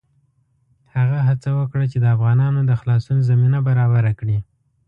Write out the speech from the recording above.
هغه هڅه وکړه چې د افغانانو د خلاصون زمینه برابره کړي.